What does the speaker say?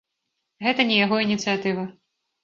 Гэта не яго ініцыятыва.